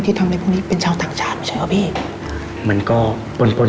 เดินมีผู้ไดเร็ดจอดจะสูงสุด